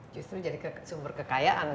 justru jadi sumber kekayaan